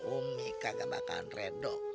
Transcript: umi kagak bakalan reda